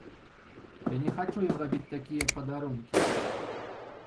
Я не хачу ім рабіць такія падарункі.